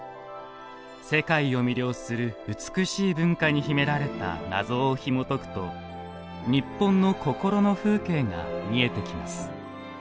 世界を魅了する美しい文化に秘められた謎をひもとくと日本の心の風景が見えてきます。